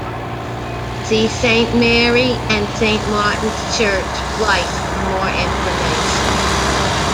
See Saint Mary and Saint Martin's Church, Blyth for more information.